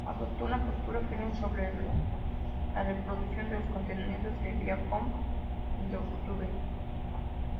Adoptó una postura firme sobre la reproducción de los contenidos de Viacom en YouTube.